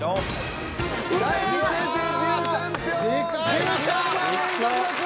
１３万円獲得！